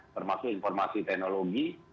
termasuk informasi teknologi